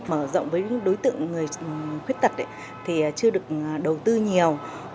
mở rộng với đối tượng người khuyết tật thì chưa được đầu tư nhiều